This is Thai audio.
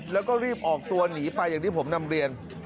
แล้วก็รีบออกตัวหนีไปอย่างที่ผมนำเรียน